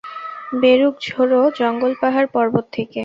বেরুক ঝোড় জঙ্গল পাহাড় পর্বত থেকে।